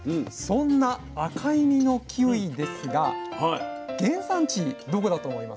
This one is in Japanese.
そんな赤い実のキウイですが原産地どこだと思いますか？